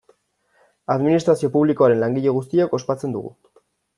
Administrazio publikoaren langile guztiok ospatzen dugu.